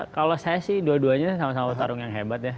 kalau saya sih dua duanya sama sama tarung yang hebat ya